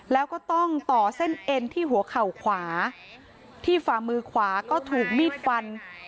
แล้วก็ต้องต่อเส้นเอ็นที่หัวเข่าขวาที่ฝ่ามือขวาก็ถูกมีดฟัน